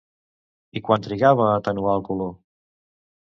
I quant trigava a atenuar el color?